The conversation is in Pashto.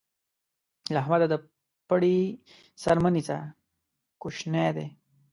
له احمده د پړي سر مه نيسه؛ کوشنی دی.